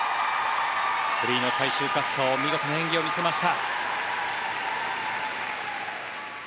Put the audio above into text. フリーの最終滑走見事な演技を見せました。